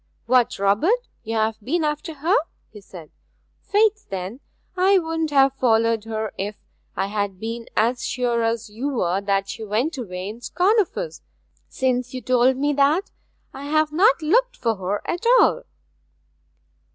'What, Robert, you've been after her?' he said. 'Faith, then, I wouldn't have followed her if I had been as sure as you were that she went away in scorn of us. Since you told me that, I have not looked for her at all.'